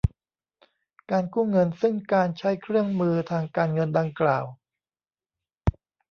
การกู้เงินซึ่งการใช้เครื่องมือทางการเงินดังกล่าว